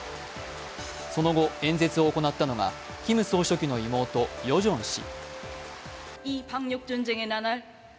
その後、演説を行ったのがキム総書記の妹、ヨジョン氏。